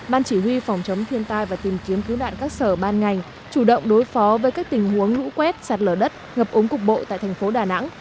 ban chỉ huy phòng chống thiên tai và tìm kiếm cứu nạn các sở ban ngành chủ động đối phó với các tình huống lũ quét sạt lở đất ngập ống cục bộ tại thành phố đà nẵng